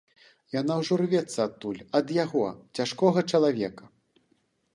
Яна ўжо рвецца адтуль, ад яго, цяжкога чалавека.